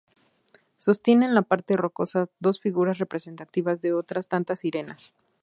Sostienen la parte rocosa dos figuras representativas de otras tantas sirenas.